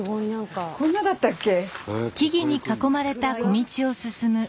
こんなだったっけ？